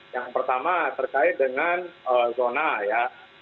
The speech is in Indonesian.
yang pertama terkait dengan zona ya